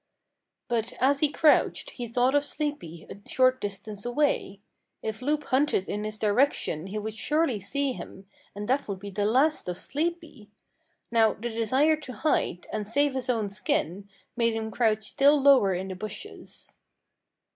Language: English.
But as he crouched he thought of Sleepy a short distance away. If Loup hunted in his direction he would surely see him, and that would be the last of Sleepy. Now the desire to hide, and save his own skin, made him crouch still lower in the bushes.